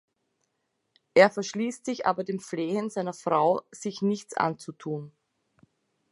Er verschließt sich aber dem Flehen seiner Frau, sich nichts anzutun.